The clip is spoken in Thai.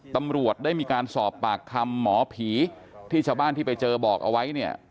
ตำรวจได้มีการสอบปากคำหมอผีที่ชาวบ้านที่ไปเจอบอกเอาไว้เนี่ย